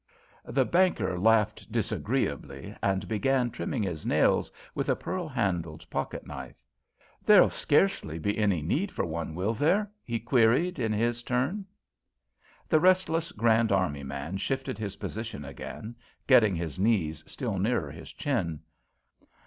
The banker laughed disagreeably, and began trimming his nails with a pearl handled pocket knife. "There'll scarcely be any need for one, will there?" he queried in his turn. The restless Grand Army man shifted his position again, getting his knees still nearer his chin.